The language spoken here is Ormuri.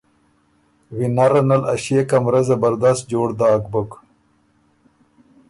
وینره نل ا ݭيې کمرۀ زبردست جوړ داک بُک